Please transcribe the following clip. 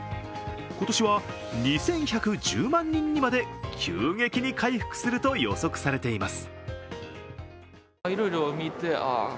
今年は２１１０万人にまで急激に回復すると予測されています。